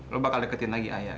lo bakal deketin lagi ayah